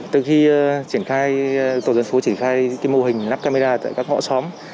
từ khi tổ dân phố triển khai cái mô hình nắp camera tại các ngõ xóm